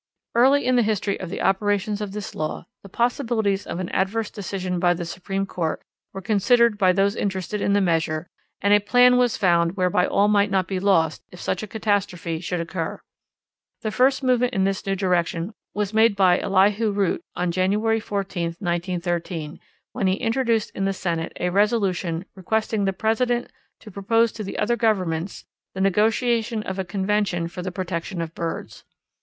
_ Early in the history of the operations of this law the possibilities of an adverse decision by the Supreme Court were considered by those interested in the measure, and a plan was found whereby all might not be lost if such a catastrophe should occur. The first movement in this new direction was made by Elihu Root on January 14, 1913, when he introduced in the Senate a resolution requesting the President to propose to the other governments the negotiation of a convention for the protection of birds.